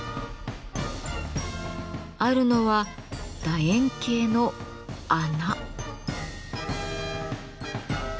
あるのは楕円形の穴。